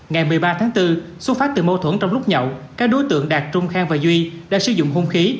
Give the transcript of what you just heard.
ngày một mươi ba tháng bốn xuất phát từ mâu thuẫn trong lúc nhậu các đối tượng đạt trung khang và duy đã sử dụng hung khí